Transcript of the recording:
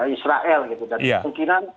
israel gitu dan mungkinan